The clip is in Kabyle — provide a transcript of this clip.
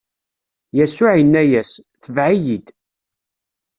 Yasuɛ inna-as: Tbeɛ-iyi-d!